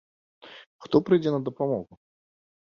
Хто прыйдзе на дапамогу?